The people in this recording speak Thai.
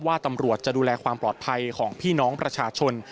ว่าตำรวจจะดูแลความปลอดภัยของพี่น้องประชาชน